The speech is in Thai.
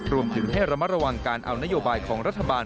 รวมถึงให้ระมัดระวังการเอานโยบายของรัฐบาล